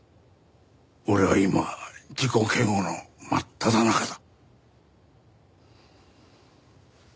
俺は今自己嫌悪の真っただ中だ。